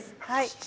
はい。